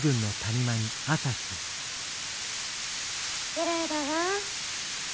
きれいだわ。